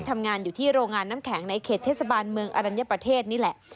ทำงานอยู่ที่โรงงานน้ำแข็งในเขตเทศบาลเมืองอรัญญประเทศนี่แหละ